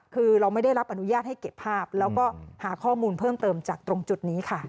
คือเราไม่ได้รับอนุญาตให้เก็บภาพแล้วก็หาข้อมูลเพิ่มเติมจากตรงจุดนี้ค่ะ